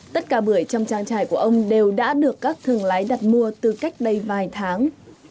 tất cả bưởi trong trang trại của ông đều đã được các thương lái đặt mua từ cách đây vài tháng